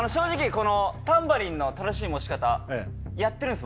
このタンバリンの正しい持ち方やってるんです